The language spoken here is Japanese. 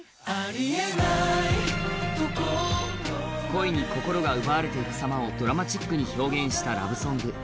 恋に心が奪われていく様をドラマチックに表現したラブソング